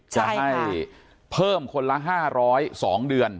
จะให้เพิ่มคนละ๕๐๒เดือน